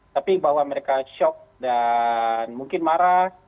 tapi bahwa mereka shock dan mungkin marah